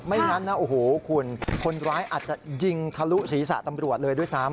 ไม่งั้นคนร้ายอาจจะยิงทะลุศีรษะตำรวจเลยด้วยซ้ำ